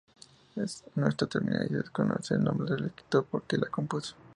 No está terminada y se desconoce el nombre del escritor que la compuso.